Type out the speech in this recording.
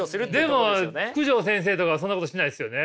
でも九条先生とかはそんなことしないですよね。